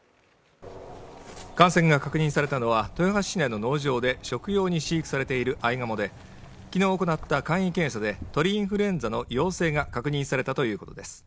感染が確認されたのは豊橋市内の農場で食用に飼育されているアイガモで昨日行った簡易検査で鳥インフルエンザの陽性が確認されたということです